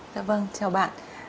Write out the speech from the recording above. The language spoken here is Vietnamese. dạ vâng chào bạn